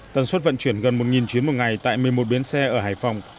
tần suất vận chuyển gần một chuyến một ngày tại một mươi một bến xe ở hải phòng